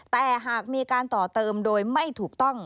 แต่หากมีการต่อเติมโดยไม่ถูกต้อง